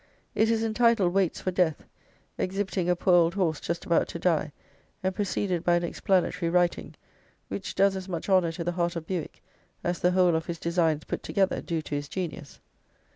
It is entitled "Waits for Death," exhibiting a poor old horse just about to die, and preceded by an explanatory writing, which does as much honour to the heart of Bewick as the whole of his designs put together do to his genius.